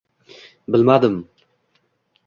bilmadim...